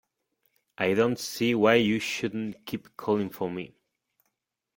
I don’t see why you shouldn’t keep calling for me.